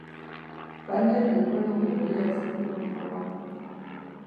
پنېر د لوړو غذایي ارزښتونو خاوند دی.